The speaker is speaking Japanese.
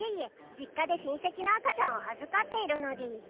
実家で親戚の赤ちゃんを預かっているのでぃす。